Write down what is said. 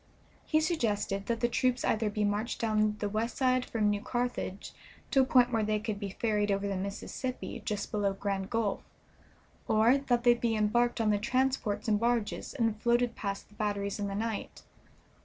He suggested that the troops either be marched down the west side from New Carthage to a point where they could be ferried over the Mississippi just below Grand Gulf, or that they be embarked on the transports and barges and floated past the batteries in the night.